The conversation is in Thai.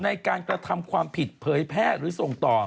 ในการกระทำความผิดเผยแพร่หรือส่งต่อ